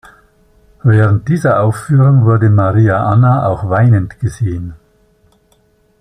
Während dieser Aufführung wurde Maria Anna auch weinend gesehen.